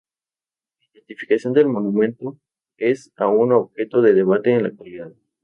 La identificación del monumento es aún objeto de debate en la actualidad.